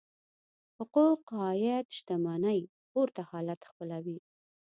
حقوق عاید شتمنۍ پورته حالت خپلوي.